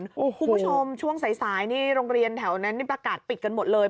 คุณผู้ชมช่วงสายนี่โรงเรียนแถวนั้นนี่ประกาศปิดกันหมดเลย